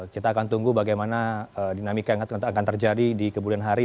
kita akan tunggu bagaimana dinamika yang akan terjadi di kemudian hari